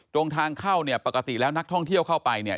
ตรงทางเข้าเนี่ยปกติแล้วนักท่องเที่ยวเข้าไปเนี่ย